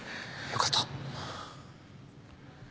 よかった。